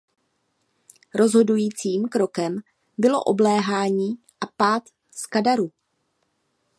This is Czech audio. Rozhodujícím krokem bylo obléhání a pád Skadaru.